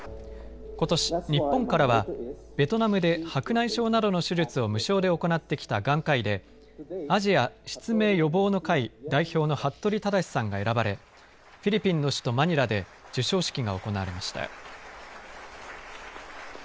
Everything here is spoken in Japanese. ことし、日本からはベトナムで白内障などの手術を無償で行ってきた眼科医でアジア失明予防の会代表の服部匡志さんが選ばれフィリピンの首都マニラで授賞式が行われました。